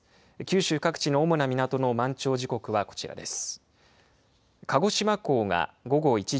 九州各地の主な港の満潮時刻はこちらです。